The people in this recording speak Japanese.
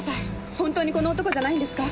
本当にこの男じゃないんですか？